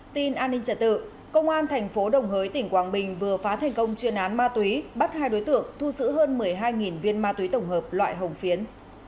tin an ninh trả tự công an thành phố đồng hới tỉnh quảng bình vừa phá thành công chuyên án ma túy bắt hai đối tượng thu xử hơn một mươi hai viên ma túy tổng hợp loại hồng phiến